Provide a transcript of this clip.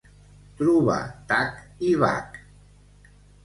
Trobar tac i bac.